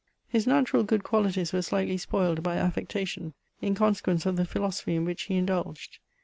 His natural good qualities were slightly spoiled by affectation — ^in conse quence of the philosophy in which he indulged.